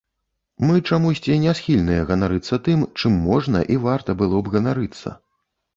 Мы чамусьці не схільныя ганарыцца тым, чым можна і варта было б ганарыцца.